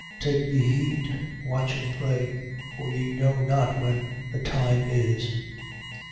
Take ye heed, watch and pray. For ye know not when the time is.